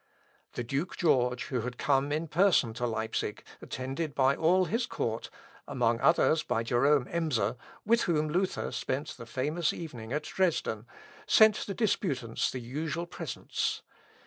The Duke George, who had come in person to Leipsic, attended by all his court among others by Jerôme Emser, with whom Luther spent the famous evening at Dresden, sent the disputants the usual presents.